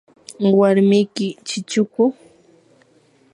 ¿warmiki chichuku?